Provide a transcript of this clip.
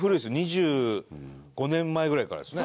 ２５年前ぐらいからですね。